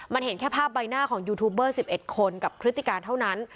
มันเห็นแค่ภาพใบหน้าของยูทูบเบอร์๑๑คนกับพฤติการเท่านั้น